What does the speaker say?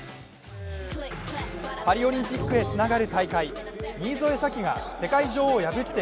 パリオリンピックへつながる大会、新添左季が世界女王を破って